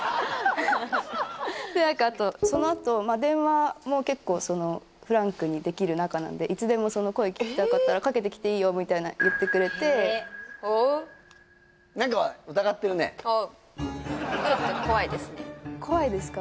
ってで何かそのあと電話も結構フランクにできる仲なんで「いつでも声聞きたかったら」「かけてきていいよ」みたいな言ってくれて何か怖いですか？